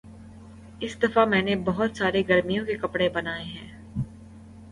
اس دفعہ میں نے بہت سارے گرمیوں کے کپڑے بنائے